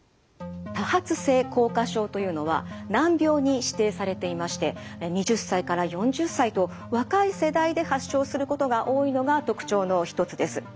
多発性硬化症というのは難病に指定されていまして２０歳から４０歳と若い世代で発症することが多いのが特徴の一つです。